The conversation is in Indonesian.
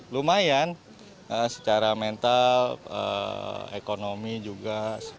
lumayan secara mental ekonomi juga